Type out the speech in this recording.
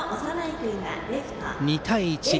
２対１。